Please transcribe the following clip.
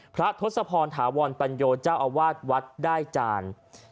พระทศพรถาวรปัญโยเจ้าอาวาสวัดได้จาน